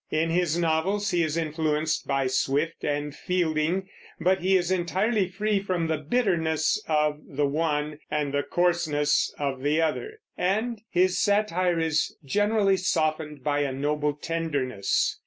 In his novels he is influenced by Swift and Fielding, but he is entirely free from the bitterness of the one and the coarseness of the other, and his satire is generally softened by a noble tenderness.